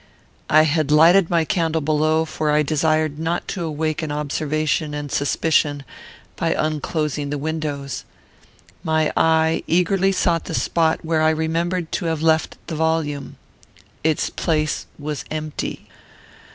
I had lighted my candle below, for I desired not to awaken observation and suspicion by unclosing the windows. My eye eagerly sought the spot where I remembered to have left the volume. Its place was empty.